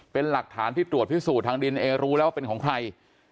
เป็นหลักฐานที่ตรวจพิสูจน์ทางดินเอรู้แล้วว่าเป็นของใคร